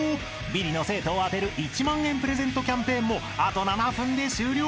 ［ビリの生徒を当てる１万円プレゼントキャンペーンもあと７分で終了］